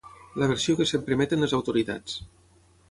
La versió que sempre emeten les autoritats.